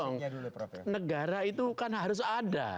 loh negara itu kan harus ada